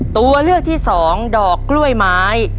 ตัวเลือกที่สองดอกกล้วยไม้